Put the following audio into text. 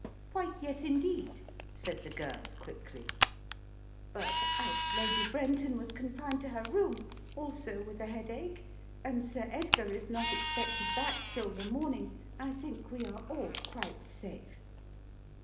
"Why, yes, indeed," said the girl, quickly. "But as Lady Brenton was confined to her room, also with a headache, and Sir Edgar is not expected back till the morning, I think we are all quite safe."